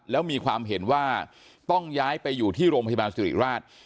แล้วมีความเห็นว่าต้องย้ายไปอยู่ที่โรงพยาบาลสิริราช